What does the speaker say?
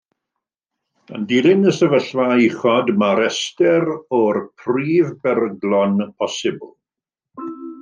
Yn dilyn y sefyllfa uchod, dyma restr o'r prif beryglon posibl